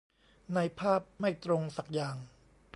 ในภาพไม่ตรงสักอย่าง